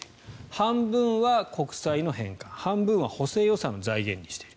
半分は国債の返還半分は補正予算の財源にしている。